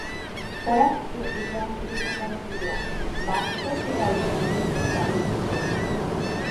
Orazio ebbe anche due fratelli più grandi, Baccio ed Aurelio, entrambi pittori.